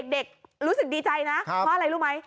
รู้สึกดีใจนะเพราะอะไรรู้ไหม